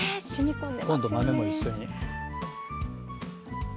今度は豆も一緒に。